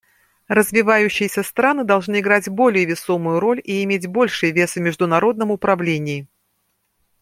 Развивающиеся страны должны играть более весомую роль и иметь больший вес в международном управлении.